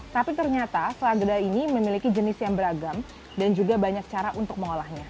tapi ternyata sela gede ini memiliki jenis yang beragam dan juga banyak cara untuk mengolahnya